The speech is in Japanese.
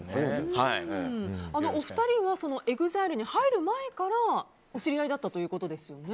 お二人はＥＸＩＬＥに入る前からお知り合いだったということですよね。